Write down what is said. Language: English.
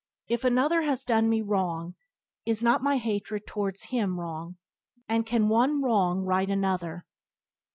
If another has done me wrong is not my hatred towards him wrong, and can one wrong right another?